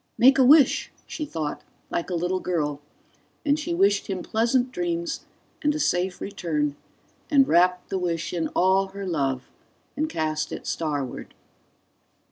Make a wish! she thought, like a little girl, and she wished him pleasant dreams and a safe return and wrapped the wish in all her love and cast it starward.